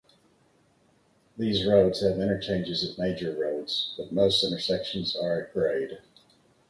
These roads have interchanges at major roads, but most intersections are at grade.